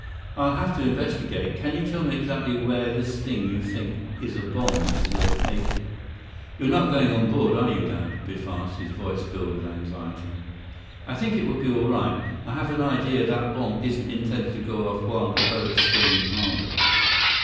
"I'll have to investigate. Can you tell me exactly where this thing you think is a bomb is located?" "You're not going on board, are you, Dad?" Biff asked, his voice filled with anxiety. "I think it will be all right. I have an idea that bomb isn't intended to go off while the boat's still in harbor."